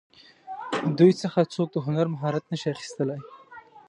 دوی څخه څوک د هنر مهارت نشي اخیستلی.